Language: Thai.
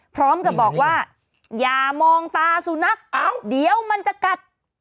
พร้อมกับบอกว่าอย่ามองตาสุนัขเดี๋ยวมันจะกัด